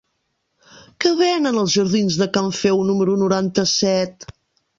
Què venen als jardins de Can Feu número noranta-set?